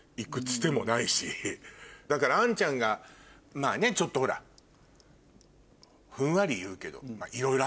だから杏ちゃんがまぁねちょっとほらふんわり言うけど。